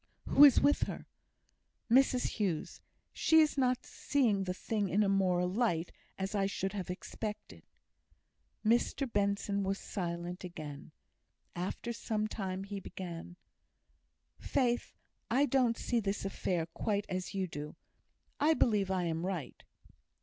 "Who is with her?" "Mrs Hughes. She is not seeing the thing in a moral light, as I should have expected." Mr Benson was silent again. After some time he began: "Faith, I don't see this affair quite as you do. I believe I am right."